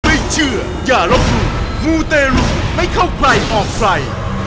ไม่เชื่ออย่าล้มมูมูเตรุไม่เข้าใกล้ออกไฟ